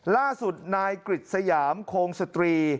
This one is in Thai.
ล่าสุดนายกริจสยามคงสตรี